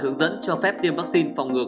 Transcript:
hướng dẫn cho phép tiêm vaccine phòng ngừa